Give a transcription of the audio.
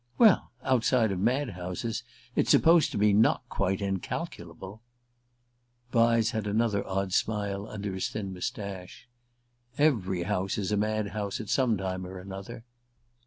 "Well, outside of mad houses it's supposed to be not quite incalculable." Vyse had an odd smile under his thin moustache. "Every house is a mad house at some time or another."